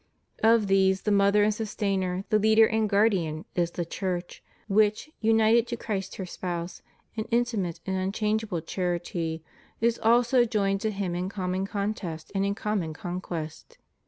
Of these the mother and sustainer, the leader and guardian, is the Church; which, united to Christ her spouse in inti mate and unchangeable charity, is also joined to Him in conmion contest and in common conquest.